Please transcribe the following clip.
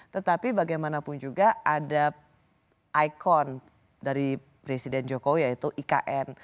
tetapi bagaimanapun juga ada ikon dari presiden jokowi yaitu ikn